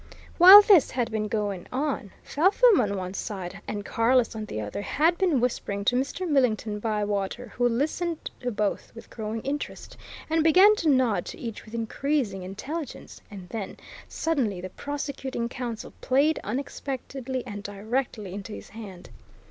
While this had been going on, Felpham on one side, and Carless on the other, had been whispering to Mr. Millington Bywater, who listened to both with growing interest, and began to nod to each with increasing intelligence and then, suddenly, the prosecuting counsel played unexpectedly and directly into his hand.